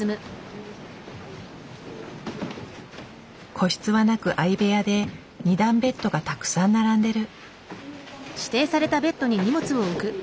個室はなく相部屋で２段ベッドがたくさん並んでる。